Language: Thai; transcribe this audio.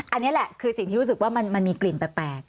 อันนี้แหละคือสิ่งที่รู้สึกว่ามันมีกลิ่นแปลก